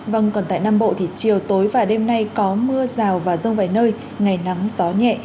vâng còn tại nam bộ thì chiều tối và đêm nay có mưa rào và rông vài nơi ngày nắng gió nhẹ